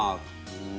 うん。